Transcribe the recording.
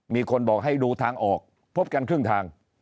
มีคนบอกให้ดูทางออกพบกันครึ่งทาง